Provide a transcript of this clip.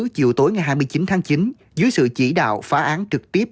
chiều tối ngày hai mươi chín tháng chín dưới sự chỉ đạo phá án trực tiếp